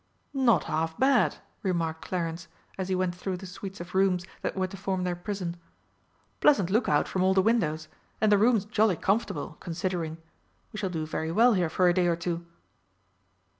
"Not half bad!" remarked Clarence, as he went through the suites of rooms that were to form their prison. "Pleasant look out from all the windows, and the rooms jolly comfortable, considering. We shall do very well here for a day or two."